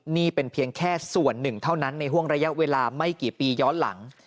นี่เป็นเพียงแค่ส่วนหนึ่งเท่านั้นในห่วงระยะเวลาไม่กี่ปีย้อนหลัง